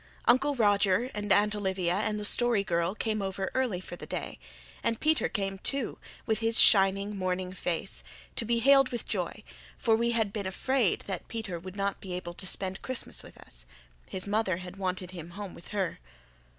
Uncle Roger and Aunt Olivia and the Story Girl came over early for the day; and Peter came too, with his shining, morning face, to be hailed with joy, for we had been afraid that Peter would not be able to spend Christmas with us. His mother had wanted him home with her.